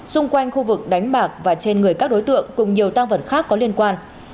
xung quanh khu vực đánh bạc và trên người các đối tượng cùng nhiều tăng vật khác có liên quan